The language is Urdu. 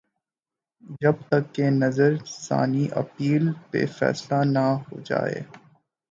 جب تک کہ نظر ثانی اپیل پہ فیصلہ نہ ہوجائے۔